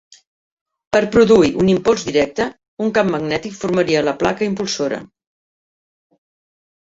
Per produir un impuls directe, un camp magnètic formaria la placa impulsora.